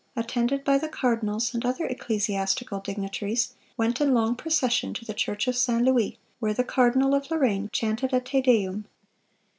attended by the cardinals and other ecclesiastical dignitaries, went in long procession to the church of St. Louis, where the cardinal of Lorraine chanted a Te Deum....